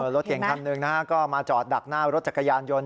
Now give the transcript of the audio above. รถเก่งคันหนึ่งก็มาจอดดักหน้ารถจักรยานยนต์